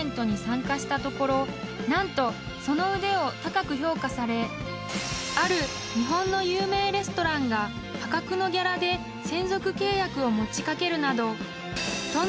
［何とその腕を高く評価されある日本の有名レストランが破格のギャラで専属契約を持ち掛けるなど］